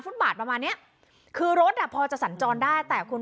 บาทประมาณเนี้ยคือรถอ่ะพอจะสัญจรได้แต่คุณ